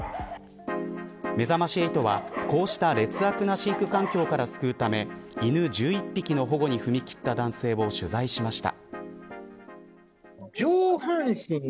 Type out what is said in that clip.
めざまし８は、こうした劣悪な飼育環境から救うため犬１１匹の保護に踏み切った男性を取材しました。